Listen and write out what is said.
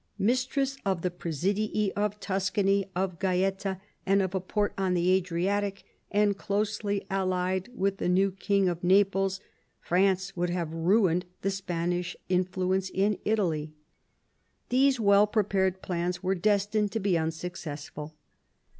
" Mistress of the presidii of Tuscany, of Gaeta, and of a port on the Adriatic, and closely allied with the new king of Naples, France would have ruined the Spanish influence in Italy." ^ These well prepared plans were destined to be un successful.